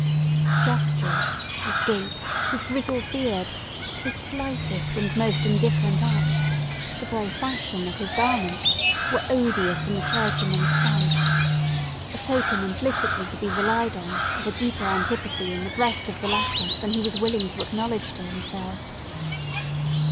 His gestures, his gait, his grizzled beard, his slightest and most indifferent acts, the very fashion of his garments, were odious in the clergyman's sight; a token implicitly to be relied on of a deeper antipathy in the breast of the latter than he was willing to acknowledge to himself.